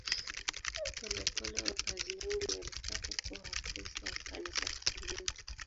Polepole wakazi wengi walipata kuwa Wakristo wa Kanisa Katoliki.